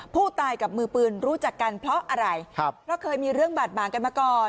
ผู้ตายกับมือปืนรู้จักกันเพราะอะไรครับเพราะเคยมีเรื่องบาดหมางกันมาก่อน